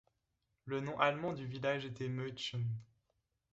Le nom allemand du village était Möstchen.